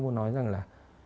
muốn nói rằng là